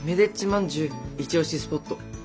まんじゅうイチ推しスポット。